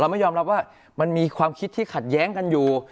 ไม่ยอมรับว่ามันมีความคิดที่ขัดแย้งกันอยู่